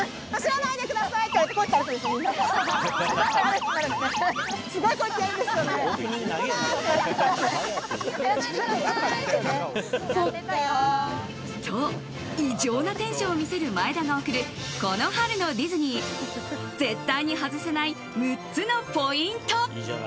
と、異常なテンションを見せる前田が送るこの春のディズニー絶対に外せない６つのポイント。